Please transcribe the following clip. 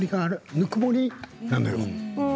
ぬくもりなのよ。